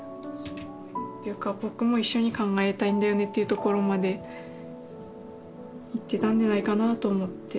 「っていうか僕も一緒に考えたいんだよね」っていうところまで言ってたんじゃないかなと思って。